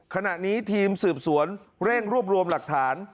ขณะนี้ทีมสืบสวนเร่งรวบรวมหลักฐาน